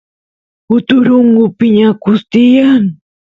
uturungu piñakus tiyan